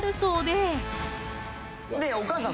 お母さん。